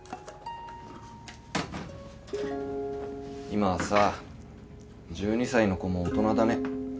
今はさ１２歳の子も大人だね。